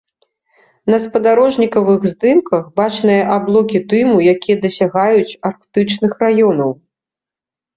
На спадарожнікавых здымках бачныя аблокі дыму, якія дасягаюць арктычных раёнаў.